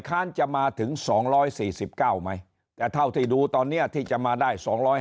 ค้านจะมาถึง๒๔๙ไหมแต่เท่าที่ดูตอนนี้ที่จะมาได้๒๕